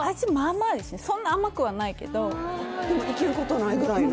そんな甘くはないけどでもいけんことないぐらいの？